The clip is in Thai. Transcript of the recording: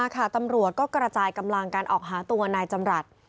ก็ไปเจออยู่ที่ท้ายซอย